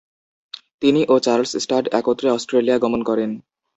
তিনি ও Charles Studd একত্রে অস্ট্রেলিয়া গমন করেন।